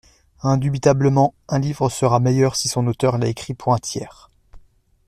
Indubitablement, un livre sera meilleur si son auteur l’a écrit pour un tiers.